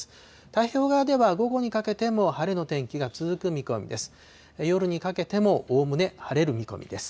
太平洋側では、午後にかけても晴れの天気が続く見込みです。